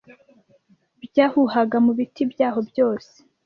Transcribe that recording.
byahuhaga mu biti byaho byose